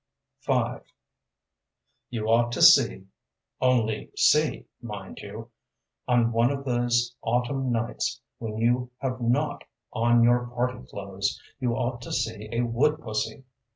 V You ought to see (only see, mind you,) on one of these autumn nights, when you have not on your party clothes you ought to see a “wood pussy.